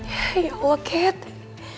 ya allah kate